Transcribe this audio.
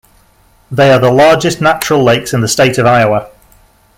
They are the largest natural lakes in the state of Iowa.